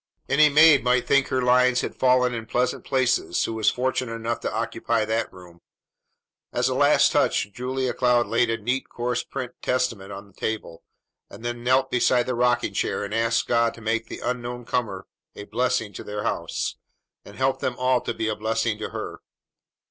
Any maid might think her lines had fallen in pleasant places who was fortunate enough to occupy that room. As a last touch Julia Cloud laid a neat coarse print Testament on the table, and then knelt beside the rocking chair and asked God to make the unknown comer a blessing to their house, and help them all to be a blessing to her.